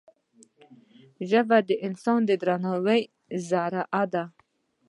ژبه د انسان د درناوي زریعه ده